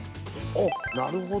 おっなるほど。